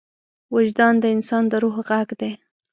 وجدان د انسان د روح غږ دی.